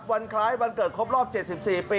คล้ายวันเกิดครบรอบ๗๔ปี